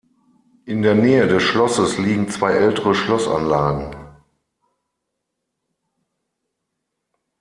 In der Nähe des Schlosses liegen zwei ältere Schlossanlagen.